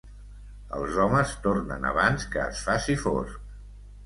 Els homes tornen abans que es faci fosc.